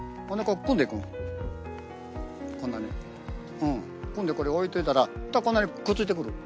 ほんでこれ置いといたらこんなにくっついてくる。